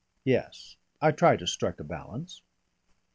Yes. I try to strike a balance."